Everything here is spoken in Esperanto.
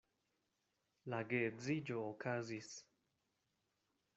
La geedziĝo okazis.